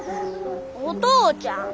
お父ちゃん。